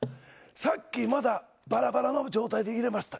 さっきまだばらばらの状態で入れました。